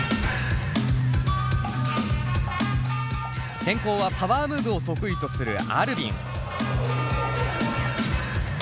先攻はパワームーブを得意とするＡｌｖｉｎ。